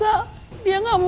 aku bisa juga patuh